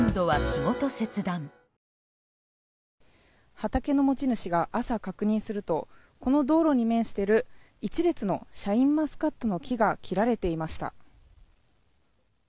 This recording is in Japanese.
畑の持ち主が朝確認するとこの道路に面している一列のシャインマスカットの木が切られていました。